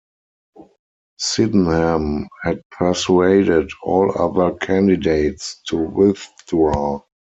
Sydenham had persuaded all other candidates to withdraw.